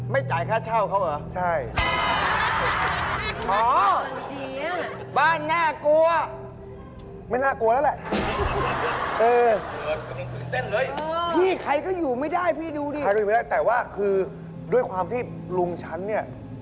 ไม่จ่ายค่าเช่าเขาเหรอใช่